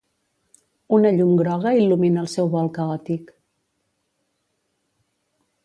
Una llum groga il·lumina el seu vol caòtic.